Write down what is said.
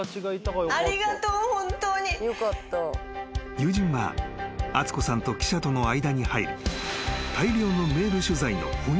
［友人は敦子さんと記者との間に入り］